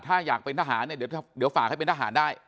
ถ้าอยากเป็นทหารเนี่ยเดี๋ยวฝากให้เป็นทหารได้